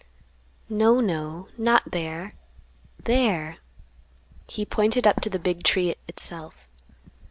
"No, no, not there; there!" He pointed up to the big tree, itself.